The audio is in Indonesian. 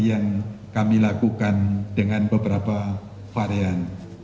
yang kami lakukan dengan beberapa varian